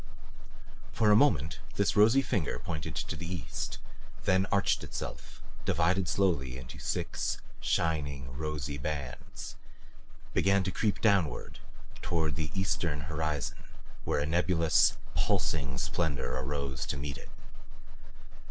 For a moment this rosy finger pointed to the east, then arched itself, divided slowly into six shining, rosy bands; began to creep downward toward the eastern horizon where a nebulous, pulsing splendor arose to meet it.